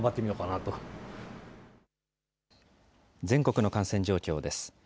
全国の感染状況です。